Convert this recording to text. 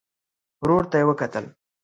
ورور ته يې وکتل.